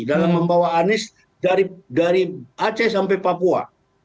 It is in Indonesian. dalam membawa anies dari aceh sampai papua